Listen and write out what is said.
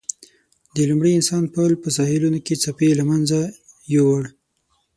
د لومړي انسان پل په ساحلونو کې څپې له منځه یووړ.